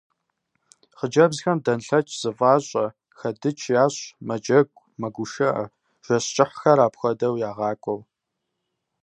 Хъыджэбзхэм дэнлъэч зэфӀащӀэ, хэдыкӀ ящӀ, мэджэгу, мэгушыӀэ, жэщ кӀыхьхэр апхуэдэу ягъакӀуэу.